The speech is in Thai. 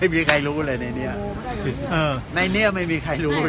ไม่มีใครรู้เลยในเนี้ยเออในนี้ไม่มีใครรู้เลย